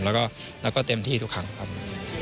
แล้วก็เต็มที่ทุกครั้งครับ